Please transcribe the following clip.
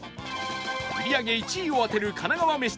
売り上げ１位を当てる神奈川めし